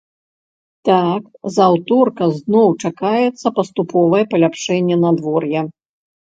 Так, з аўторка зноў чакаецца паступовае паляпшэнне надвор'я.